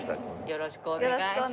よろしくお願いします。